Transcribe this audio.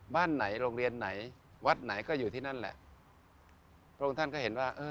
บ้านไหนโรงเรียนไหนวัดไหนก็อยู่ที่นั่นแหละพระองค์ท่านก็เห็นว่าเออ